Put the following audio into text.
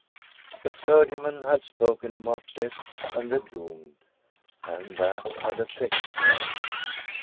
The clergyman had spoken about death and the doomed, and that had affected her.